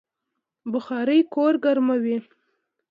بخارۍ کور ګرموي